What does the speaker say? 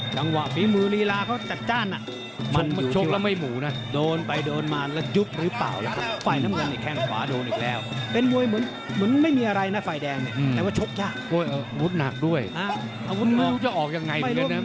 เด็กโฆราตหลานแย่โมะรายนี้